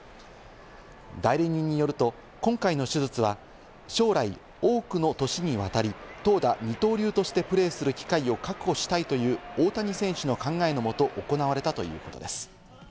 代理人によると、今回の手術は将来、多くの年に渡り、投打二刀流としてプレーする機会を確保したいという大谷選手の考えのもと行われたということです。